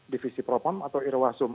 divisi propam atau irwasum